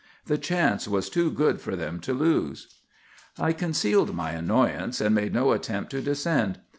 The chance was too good for them to lose. "I concealed my annoyance, and made no attempt to descend.